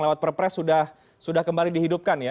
lewat perpres sudah kembali dihidupkan ya